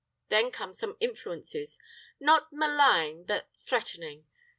Then come some influences, not malign, but threatening.